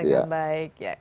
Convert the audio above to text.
dengan baik ya